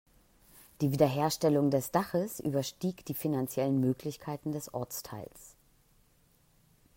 Die Wiederherstellung des Daches überstieg die finanziellen Möglichkeiten des Ortsteils.